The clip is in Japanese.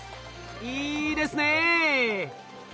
いいですね。